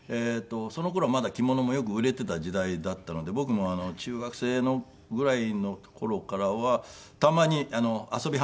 その頃はまだ着物もよく売れていた時代だったので僕も中学生ぐらいの頃からはたまに遊び